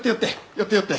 寄って寄って」